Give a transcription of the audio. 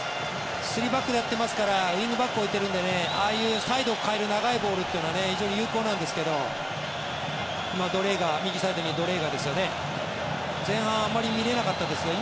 ３バックでやっていますからウィングバックを置いているのでサイドを変える長いボールは非常に有効なんですけど右サイドにドレーガーですよね。